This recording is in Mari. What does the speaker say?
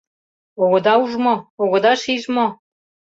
Огыда уж мо, огыда шиж мо?